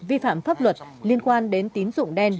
vi phạm pháp luật liên quan đến tín dụng đen